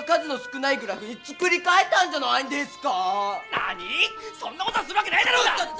なに⁉そんなことするわけないだろうが！